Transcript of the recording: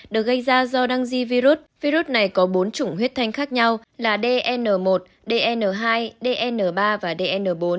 được gây ra do đang di virus virus này có bốn chủng huyết thanh khác nhau là dn một dn hai dn ba và dn bốn